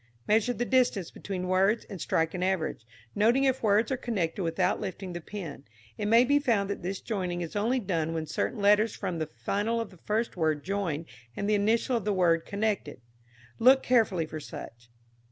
Measure the distance between words and strike an average, noting if words are connected without lifting the pen. It may be found that this joining is only done when certain letters form the final of the first word joined and the initial of the word connected. Look carefully for such.